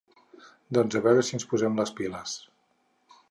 Doncs a veure si ens posem les piles.